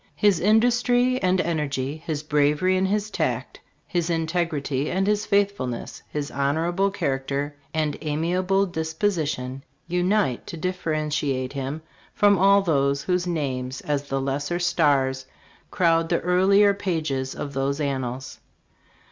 His industry and energy, his bravery and his tact, his integrity and his faithfulness, his honorable character and amiable disposition, unite to differentiate him from all those whose names as the lesser stars crowd the earlier pages of those an nals.